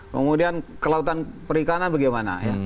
kemudian kelautan perikanan bagaimana